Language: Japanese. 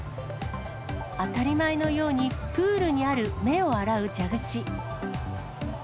当たり前のようにプールにある目を洗う蛇口。